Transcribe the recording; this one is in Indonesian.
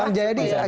pak jaya di mana